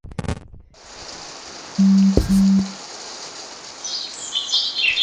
Este es el primer álbum con gran parte de las canciones escritas por Cantilo.